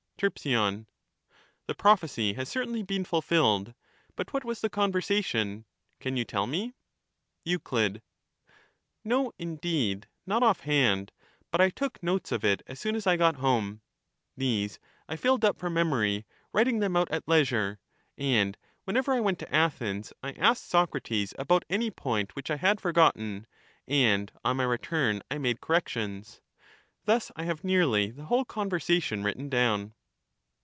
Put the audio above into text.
Terp. The prophecy has certainly been fulfilled ; but what was the conversation ? can you tell me ? Euc, No, indeed, not offhand ; but I took notes of it as 143 soon as I got home ; these I filled up from memory, writing them out at leisure ; and whenever I went to Athens, I asked Socrates about any point which I had forgotten, and on my return I made corrections; thus I have nearly the whole conversation written down.